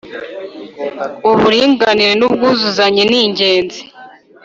Uburinganire n’ubwuzuzanye ni ingenzi